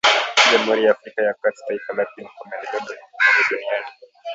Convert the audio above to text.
Jamhuri ya Afrika ya kati taifa la pili kwa maendeleo duni duniani